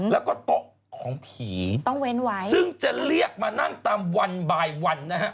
แล้วก็โต๊ะของผีซึ่งจะเรียกมานั่งตามวันบายวันนะฮะ